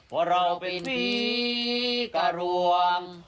เพราะเราเป็นศรีกะรวง